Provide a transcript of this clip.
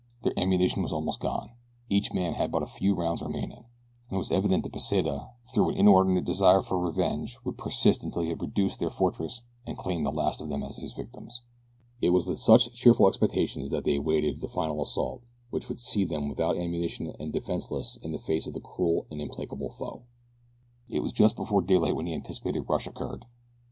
Their ammunition was almost gone each man had but a few rounds remaining and it was evident that Pesita, through an inordinate desire for revenge, would persist until he had reduced their fortress and claimed the last of them as his victim. It was with such cheerful expectations that they awaited the final assault which would see them without ammunition and defenseless in the face of a cruel and implacable foe. It was just before daylight that the anticipated rush occurred.